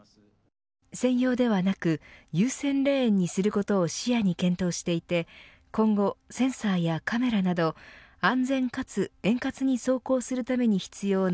専用ではなく優先レーンにすることを視野に検討していて今後センサーやカメラなど安全かつ円滑に走行するために必要な